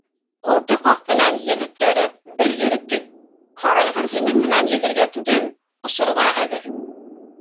Ҡултыҡ аҫтынан ел үткәреп, бер йөрөп кил. һарайғыр һинең менән елергә түгел, осорға әҙер.